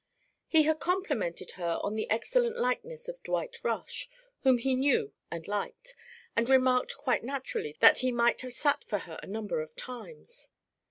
He had complimented her on the excellent likeness of Dwight Rush, whom he knew and liked, and remarked quite naturally that he might have sat for her a number of times.